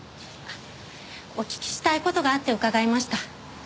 お聞きしたい事があって伺いました。